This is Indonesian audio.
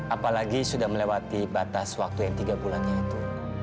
apalagi sudah melewati batas waktu yang tiga bulannya itu